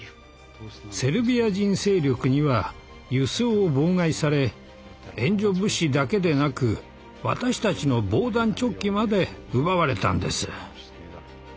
セルビア人勢力には輸送を妨害され援助物資だけでなく私たちの防弾チョッキまで奪われたんです。